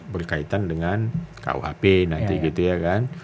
berkaitan dengan kuhp nanti gitu ya kan